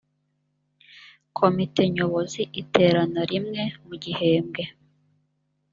komite nyobozi iterana rimwe buri gihembwe